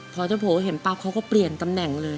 พอเจ้าโผเห็นปั๊บเขาก็เปลี่ยนตำแหน่งเลย